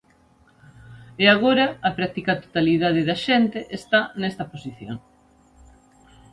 E agora a practica totalidade da xente está nesta posición.